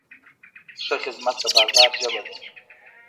ښه خدمت د بازار ژبه ده.